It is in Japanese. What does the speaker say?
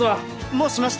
もうしました！